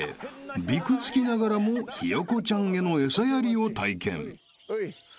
［びくつきながらもひよこちゃんへの餌やりを体験］